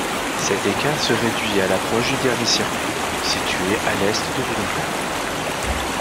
Cet écart se réduit à l'approche du dernier circuit, située à l'est de Willunga.